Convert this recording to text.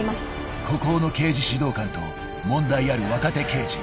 ［孤高の刑事指導官と問題ある若手刑事］